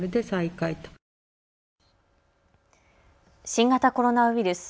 新型コロナウイルス。